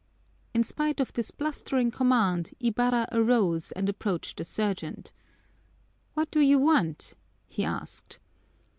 In spite of this blustering command, Ibarra arose and approached the sergeant. "What do you want?" he asked.